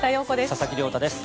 佐々木亮太です。